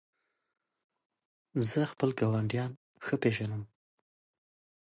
زه خپل ګاونډیان ښه پېژنم.